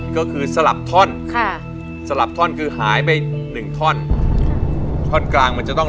ขอทำสักคำยังคุ้นข้อง